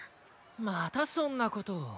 またそんなことを。